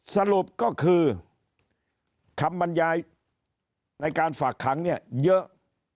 สรุปก็คือคำบรรยายในการฝากขังเนี่ยเยอะ